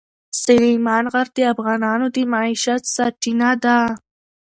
سلیمان غر د افغانانو د معیشت سرچینه ده.